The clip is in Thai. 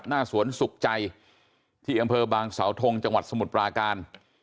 หน้าสวนสุขใจที่อำเภอบางสาวทงจังหวัดสมุทรปราการ